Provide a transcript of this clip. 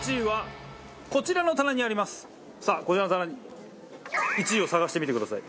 さあこちらの棚に１位を探してみてください。